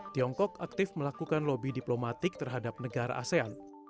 tiongkok aktif melakukan lobby diplomatik terhadap negara asean